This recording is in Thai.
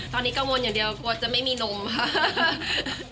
ตอนนี้กังวลอย่างเดียวกลัวจะไม่มีนมค่ะ